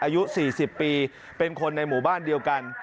อายุ๔๐ปีเป็นคนในหมู่บ้านเดียวกัน